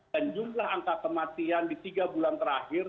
dan jumlah angka kematian di tiga bulan terakhir